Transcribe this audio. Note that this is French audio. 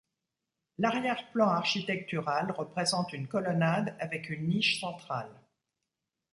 L’arrière plan architectural représente une colonnade avec une niche centrale.